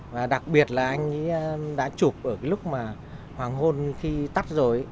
và đặc biệt là anh ấy đã chụp ở lúc mà hoàng hôn khi tắt rồi